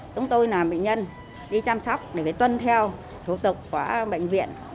chúng tôi là bệnh nhân đi chăm sóc để phải tuân theo thủ tục của bệnh viện